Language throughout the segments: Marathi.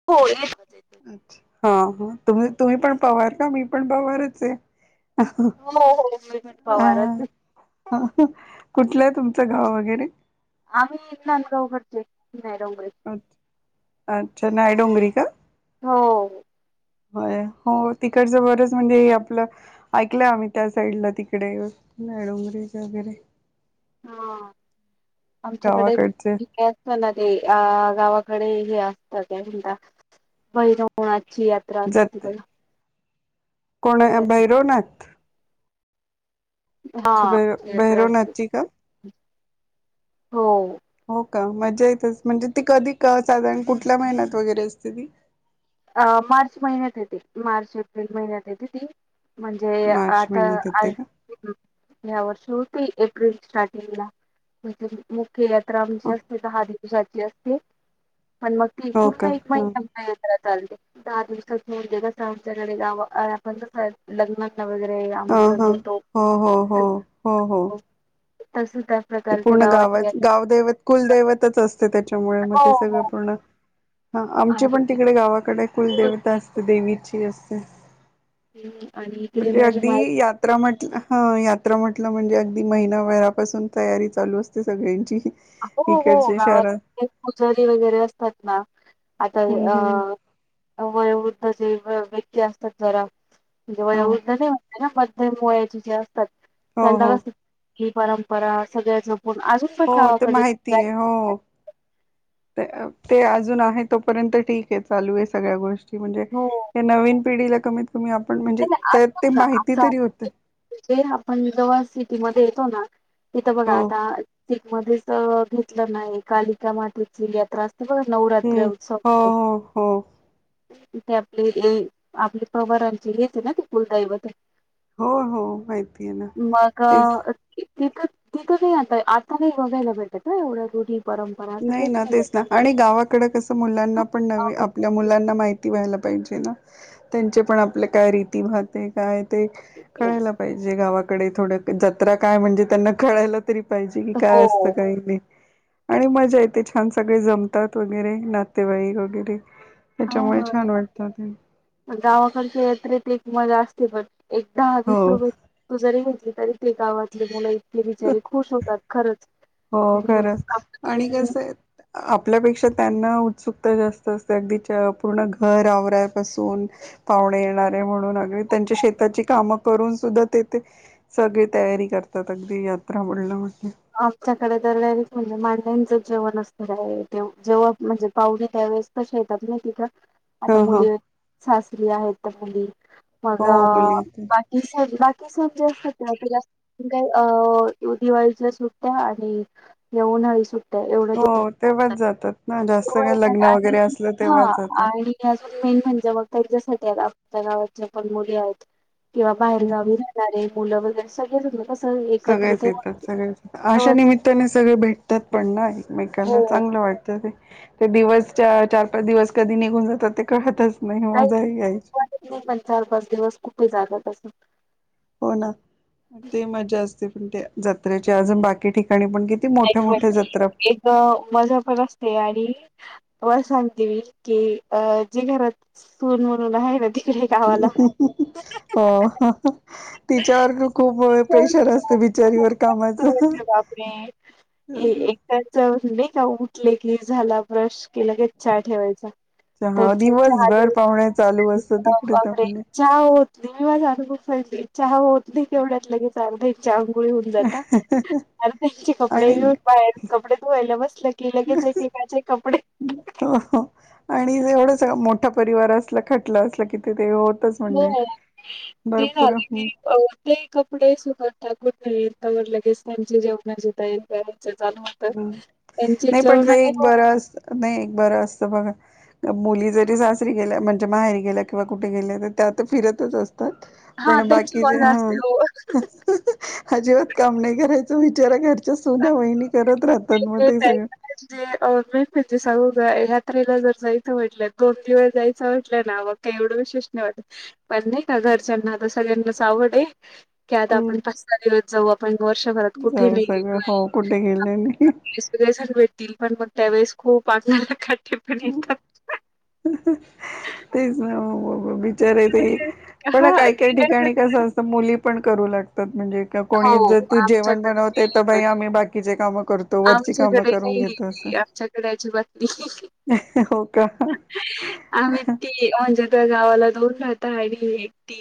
[unintelligible] अच्छा हा हा तुम् तुम्ही पण पवार का मी पण पवारच आहे. हो हो मी पण पवारच. ह कुठलंय तुमचं गाव वगैरे? आम्ही नंदगाव कडचे नय डोंगरे अच्छा नाय डोंगरी का? हो. होय हो तिकड च बरच म्हणजे आपलं ऐकलंय आम्ही त्या साईडला तिकडे डोंगरी च वगैरे. हा आमच्या कडे - गावाकडचे ठीकाय फला ते अ गावाकडे हे असत त्या म्हणता बैरवणाची - - त्रास जात होतो बई कोण भैरवनाथ हा भैर लई त्रास देत. भैरवनाथची का? हो. हो का मजा येतच म्हणजे ती कधी साधारण कुठल्या महिन्यात वगैरे असते ती? अ मार्च महिन्यात येते मार्च एप्रिल महिन्यात येते ती म्हणजे मार्च आता महिन्यात आ येते का? या वर्ष होती एप्रिल स्टार्टिंगला म्हणजे मुख्य रामची असते तर दहा दिवसाची असते. पण मग ती हो का? पूर्ण एक हा महिना नाही येत घरात आनल दहा दिवसात [unintelligible] लग्ना न वगैरे हा आमंत्रण हा देतो. हो हो हो हो हो [unintelligible] तिथ सुद्धा ते पूर्ण गावात गावदैवत कुलदैवतच असते त्याच्यामुळे मग हो ते सगळं हो. पूर्ण हा आमचे पण आणि तिकडे गावाकडे कुल देवता असते देवीची असते. हम्म आणि एकडे म्हणजे माझ्या अगदी माहेरी यात्रा म्हटलं ह यात्रा म्हटलं म्हणजे अगदी महिनाभरापासून तयारी चालू असते सगळ्यांची हो हो इकडच्या शहरात गावात पुजारी वगैरे असतात ना आता हम्म हम्म अ वयोवृद्ध जे व - व्यक्ती असतात जरा म्हणजे हो वयोवृद्ध नाही हायना मध्यम वयाचे जे असतात हो त्यांना हो कस ही परंपरा सगळ्या जपून अजून पण हो गवा ते माहिती आहे. हो ते अजून आहे तोपर्यंत ठीक आहे चालू आहे सगळ्या गोष् म्हणजे हो या नवीन पिढीला कमीत कमी आपण म्हणजे त्यात ते माहिती तरी होत. तिथे आपण जव्हा सिटीमध्ये येतो ना तिथं बघा हो आता सिटीमध्ये च अ घेतलं नाही कालिका मातेची यात्रा अस ते बघा हम्म नवरात्र उत्सव हो हो हो पर्यंत तीथे आपले आपले पवारांचे येते ना ते कुलदैवत हो हो माहिती आहे ना मग तेच तिथं तिथं नाही आता आता नाही बघायला भेटत एवढं रुढी परम नाही ना तेच ना आणि गावाकड कसं मुलांना हं. पण हां, नवी मग आप मुलांना माहिती व्हायला पाहिजे ना त्यांचे पण आपले काय रीती होते. काय ते कळायला पाहिजे गावाकडे थोडं जत्रा काय म्हणजे त्यांना कळायला. तरी पाहिजे की काय हो असतं काही नाही. आणि मजा येते छान सगळे जमतात वगैरे नातेवाईक वगैरे. त्याच्यामुळे हा छान वाटतं ते. गावाकडच्या यात्रेतेत एक मजा असते पण एकदा वीस हो. रुपये तू जरी घेतली तरी ते गावातले मुण इतके बिचारीे खुश होतात खरंच हो खरंच आणि कस आहे आपल्यापेक्षा त्यांना उत्सुकता जास्त असते अगदीच्या पूर्ण घर आवरापासून पाहुणे येणारे म्हणून अग त्यांच्या शेताची कामं करून सुद्धा तेे सगळी तयारी करतात अगदी यात्रा म्हणलं म्हटलं. आमच्याकडे तर डायरेक्ट म्हणजे मांड्यांचं जेवण असणार आहे ते जेव्हा म्हणजे पाहुली त्यावेळेस त येतात नाही तिथं आता ह ह मुली सासरी आहेत तर मुली हो माझं मुली बाकी सण जे असतात त्या जात काही अ दिवाळीच्या सुट्या आणि येऊनळी सुट हो एवढं तेव्हाच जातात ना जास्त काय लग्न वगैरे असलं हा तेव्हाच जातात. आ [inaudible] अज मेन म्हणजे मग त्यांच्यासाठी आपल्या गावात ज पण मुली आहेत किंवा हं बाहेरगावी मुलं वगैरे सगळेच कसं एकत्र सगळेच ते येतात वाट सगळेच अशा निमित्ताने सगळे भेटतात पण ना हो एकमेकाला चांगलं वाटतं ते. ते दिवस चार पाच दिवस कधी निघून जातात ते कळतच नाही मजा काहीच आहे यायची. नाही पण चार पाच दिवस कुठे जागा तसं हो ना ते मज्जा असते पण ते जत्रेची अजून बाकी ठिकाणी पण की एक मजा पण असते आणि व सांगते की अ जे घरात सून म्हणून आहे ना ती हो तिच्यावर खूप तर प्रेशर असते बिचारीवर कामाचं. आपने एकटच नाही का उठले की झाला ब्रश केलं की लगेच चहा ठेवायचा. हा त्याच्या दिवसभर पाहुणे चालू असत तिकडे तर वगैरे म्हणजे [inaudible] चहा होत नाही विवाज अनुभू स चहा होत नाही केवढ्यात लगेच चालत एक चहा आंघोळी होऊन जातात अरे त्यांचे कपडे आणि घेऊन बाहेर कपडे धुवायला बसल की लगेच एकेकाचे कपडे आणि एवढंच मोठा परिवार असला खटलं असलं कि तिथं होतच हो म्हणजे हो ती भरपूर झाली ती पाहून [inaudible] ते कपडे सुकत टाकूून नाही त्यावर लगेच त्यांची जेवणाची तयार करायचं चालू हम् त्यांचे नाही पण ते जेवणाचे एक हो बरं असत नाही, एक बरं असत बघा मुली जरी सासरी गेल्या म्हणजे माहेरी गेल्या किंवा कुठे गेले तर त्या आत फिरतच अस हा पण त्यांची बाकीचे मजा ह असते हो. अजिबात काम नाही करायचं विचारा घरच्या सोन्या वहिणी करत राहत हो हो काय [inaudible] म्हणजे मेन म्हणजे सांगू यात्रेला जर जायचं वाटलंय दोन दिवस जायचं वाटलंय ना मग का एवढं विशेष नाही वाटत पण नाही का घरच्यांना आता सगळ्यांनाच आवड आहे की आता आपण पाच सहा दिवस जाऊ आपण वर्षभरात कुठेही नाही गेलो कठे गेलली? [unintelligible] भेटतील पण मग त्यावेेळेस खूप आला काठी फिरली तर. तेच ना ओ, बिचारे ते अरे पण हा काय, काय गेल्या ठिकाणी कस अस- त, मुली पण करू लागतात, म्हणजे कोणी हो जर जेवण आमच्याकडे बनवते त नाही पण बाई आम्ही बाकी- चे काम कर- आमच्याकडे नाही, आमच्याकडे अजीबात नाही. हो का आम्ही ती म्हणजे त्या गावाला दूर राहता आणि मी एकटी.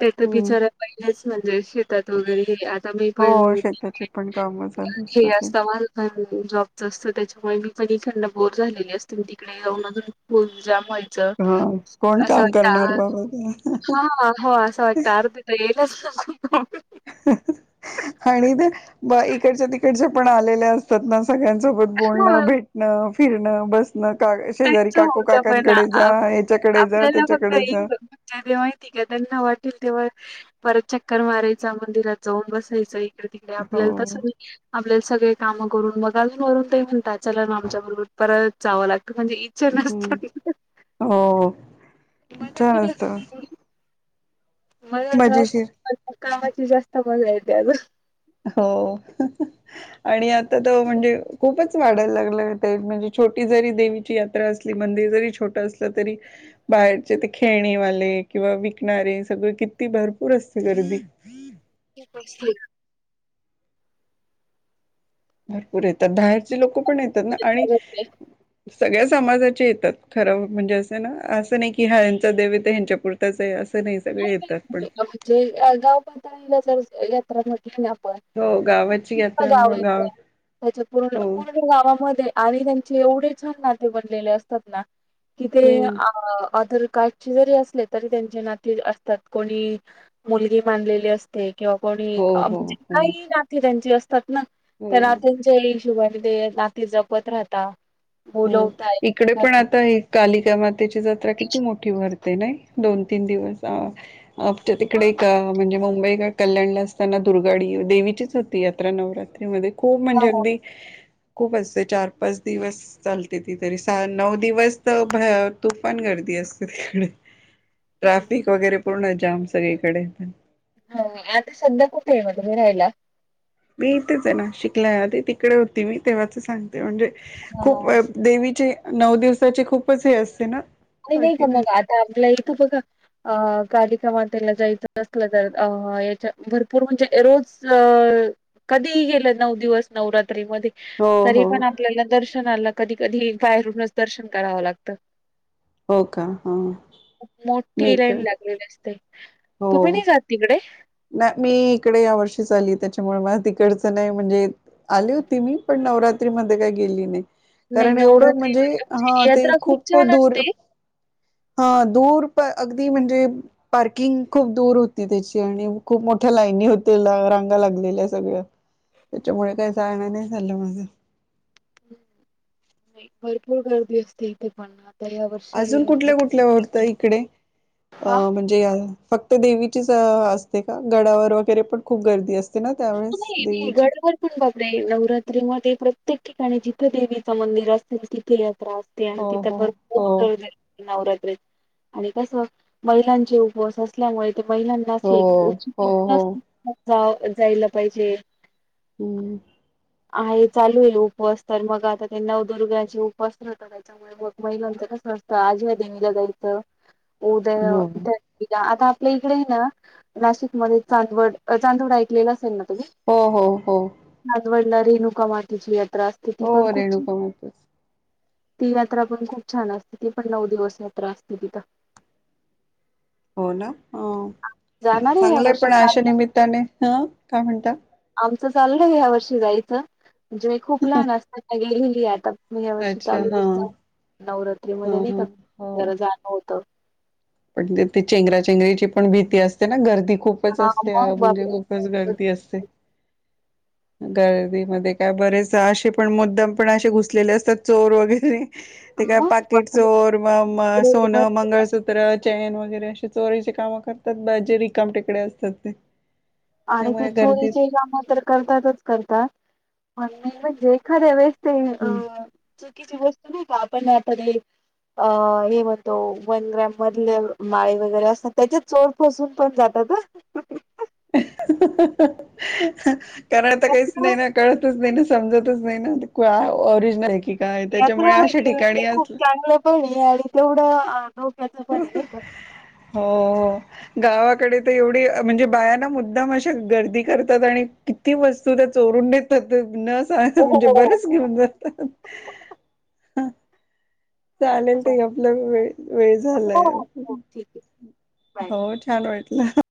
त्याच हम्म बिचारा पहिल्याच म्हणजे- वगैरे हे आता मी हो पण शेताची पण कामं चालू हे असतात अस [unintelligible] त्यांची माझं जॉबच असत, त्याच्यामुळे मी पण ईकडन बोर झालेली असते, मी तिकडे- आणि न अजून फुल जाम व्हाय- च. हा कोण अस काम करणार वाटत, बाबा ते हा, हा, अस वाटत आलो- [unintelligible] [unintelligible] आणि ते इकडच्या तिकडच्या पण आलेल्या असतात ना, सगळ्यांसोबत. बोलणं, हा भेटणं, फिरणं, बस- ण, शेजारी त्यांच काकू होत पण काकांकडे जा, आ याच्याकडे जा, त्याच्याकडे जा. जे, जे माहिती का त्यांना वाटेल तेव्हा परत चक्कर मारायचा, मंदिरात जाऊन बसायचं. तिकडे हो आपल्याला तस नाही. आपले सगळे काम करून मग अजून वरून ते म्हणतात, आमच्या बरोबर परत जावं लागतं. म्हणजे इच्छा हम्म नसतात, हो छान असतं [unintelligible] मजा मजेशीर तर कामाची जास्त मजा येते आजून. हो. आणि आता त म्हणजे, खूपच वाढायला लागलं ते, म्हणजे छोटी जरी देवीची- यात्रा असली, मंदिर जरी छोट असलं तरी- बाहेरचे ते खेळणेवाले किंवा विकणारे, सगळे किती भरपूर असते गर्दी. [unintelligible] भरपूर येतात, बाहेरचे लोक पण येतात ना आणि- सगळ्या समाजाचे येतात ठरवून, म्हणजे असं ना असं नाही की, हा ह्यांचा देैव आहे ह्यांच्यापुर- त आहे, असं नाही सगळे येतात पण. जे गाव पातळीला जर यात्रा [unintelligible] आपण हो गावाची [unintelligible] यात्रा गाव मुळ येतय त्याच्या पूर्ण, हो पूर्ण गावामध्ये- आणि त्यांचे एवढे छान नाते बनलेले असतात ना, कि ते हम्म आँदर का- स्टचे जरी असले तरी, त्यांचे नाते असतात, कोणी मुलगी मानलेली असते. किंवा कोणी हो हो म्हणजे, हो काही नाते त्यांची असतात ना, त्या हो नात्यांची- त्या ईशोबाने ते नाती जपत राहता, हो बोलवता इकडे पण एकमेकांना. आता ही कालिका मातेची जत्रा किती मोठी भरते नाही, दोन, तीन दिवस- आपच्या तिकडे एक म्हणजे मुंबईकड- कल्याणला असताना दुर्गाडी देवीचीच होती यात्रा नवरात्रीमध्ये, खूप म्हणजे हा अगदी- खूप असते चार, पाच दिवस. चालते ती तरी सा, नऊ दिवस तर तुफान गर्दी असते तिकडे. ट्रॅफिक वगैरे पूर्ण जाम सगळीकडे पण. हो, मी ना आता सध्या कूठ आहे तुम्ही राहायला? मी इथेच आहे नाशिकला, आधी तिकडे होती मी तेव्हाच सांगते म्हणजे हां, खूप- हां. देवीचे नऊ दिवसाचे खूपच हे असते ना? नाही, नाही का [unintelligible] बाकी मग आता आपल्याला [unintelligible] बघा. अ कालिका मातेला जायचं असलं तर अ याच्या भरपूर म्हणजे रोज अ कधीही गेलं नऊ दिवस नवरात्री मध्ये? हो तरी हो पण आपल्याला दर्शनाला कधी कधी बाहेरूनच दर्शन करावं लागतं. हो का? ह मोठी लाईन लागलेली असते, हो तुम्ही नाही जात तिकडे? नाही मी इकडे या वर्षीच आली त्याच्यामुळे मला तिकडचं नाही म्हणजे आले होते मी. पण नवरात्री मध्ये काही गेली नाही, नाही कारण एवढं नवरात्री म्हणजे ह आमची ते यात्रा खूप छान दूर. असते. हा दूर प अगदी म्हणजे? पार्किंग खूप दूर होती त्याची आणि खूप मोठ्या लाईनी होती रांगा लागलेल्या सगळ्या. त्याच्यामुळे काही जायण नाही झालं माझं. नाही भरपूर गर्दी असते इथे पण हा. अजून कुठल्या कुठल्या वत आहे इकडे? अ आ म्हणजे अ फक्त देवीचीच असते का? गडावर वगैरे पण खूप गर्दी असते. ना तुला त्यावेळेस हेवी आहे देवीची घड भर. बापरे! नवरात्री मध्ये प्रत्येक ठिकाणी जिथे देवीच मंदिर असेल तिथे यात्रा असते. ते अन हो तिथं हो भरपूर हो गर्दी आह. नवरात्रीत, आणि कस? महिलांचे उपवास असल्यामुळे ते महिलां हो हो हो आहेत [inaudible] जायला पाहिजे. हम् आहे चालू होईल उपवास तर मग आता ते नवदुर्गाचे उपवास धरले पाहिजे. मग महिलांच कसं असतं? आज ह्या देवीला जायचं. उद्या हो त्या देवीला आता आपल्या इकडे आहे ना नाशिकमध्ये चांदवड, चांदवड एक. लेल असेल ना तुम्ही? हो हो हो राजवडला रेणुका मातेची यात्रा असते ती हो पण खूप रेणुका माताच ती यात्रा पण खूप छान असते ती पण नऊ दिवस यात्रा असते तिथं. [inaudible] हो ना? जाणार आहे या चांगलंय वर्षी पण अशा चाललंय निमित्ताने, ह काय म्हणता? आमचं चाललंय ह्या वर्षी जायचं म्हणजे मी खूप लहान असताना गेलेली आता. मी या वर्षी अच्छा चालू देत हा चाल, नवरात्री हा मध्ये नाही का? हा हो जरा जाणं होत. पण तिथे चेंगराचेंगरीची पण भीती असते ना गर्दी खूपच हा असते मग म्हणजे बापरे रोज गर्दी असते. गर्दीमध्ये काय बरेच असे पण मुद्दाम पण अशे घुसलेले असतात चोर वगैरे. ते काय मग पाकिट बापरे. चोर, म म सोनं, मंगळसु सूत्र, चैन वगैरे असे चोरीची कामं करतात ब जे रिकाम टेकडे असतात ते. आणि ते त्यामुळे गर्दीत चोरीचे काम तर करतातच करतात म्हण म्हणजे एखाद्या वेळे पण अ चुकीची वस्तू नाही का? आपण आतडे. अ हे म्हणतो वन ग्रॅम मधले माळी वगैरे असतात त्याच्यात चोर फसून पण जातात ह. ह कारण आता काहीच यात्रा नाही ना कळतच नाही न. समजतच नाही नाय ना आ ऑरिजन आहे की? काय यात्र त्याच्यामुळे अशा वाटली ते ठिकाणी खूप अस चांगलं पणी आणि तेवढं? अ धोक्याचं पण आहे नाही का. हो. गावाकडे तर एवढी म्हणजे बायां ना मुद्दाम अशा गर्दी करतात आणि? किती वस्तू त्या चोरून नेत होते. न सांग हो हो म्हणजे हो. बरेच घेऊन जातात. चालेल ते आपलं वेळ- वेळ हो हो झालाय. हो ठीक आहे बाय. हो छान वाटलं.